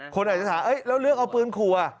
คนอาจจะถามแล้วเรื่องเอาปืนขัว